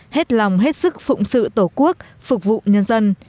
hết lòng hết sức phụng sự tổ quốc phục vụ nhân dân